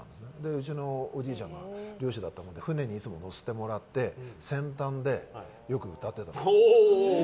うちのおじいちゃんが漁師だったもので船にいつも乗せてもらって先端でよく歌ってたの。